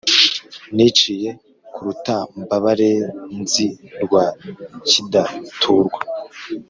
Niciye ku Rutambabarenzi rwa Kidaturwa